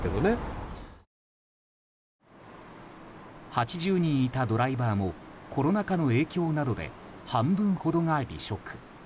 ８０人いたドライバーもコロナ禍の影響などで半分ほどが離職。